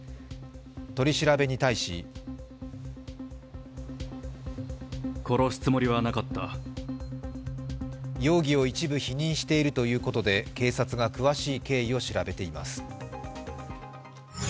取り調べに対し容疑を一部否認しているということで警察が詳しい経緯を調べています。